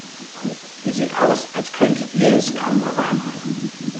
Ihr seht aus, als könntet ihr es kaum erwarten.